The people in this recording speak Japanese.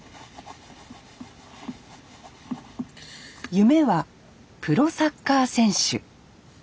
夢はプロサッカー選手。